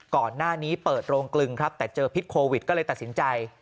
ก่อนหน้านี้เปิดโรงกลึงครับแต่เจอพิษโควิดก็เลยตัดสินใจ